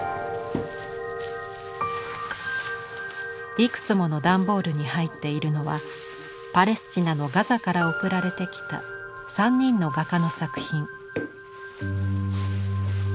いくつもの段ボールに入っているのはパレスチナのガザから送られてきた３人の画家の作品。